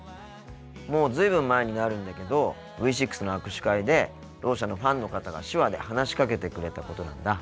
もう随分前になるんだけどＶ６の握手会でろう者のファンの方が手話で話しかけてくれたことなんだ。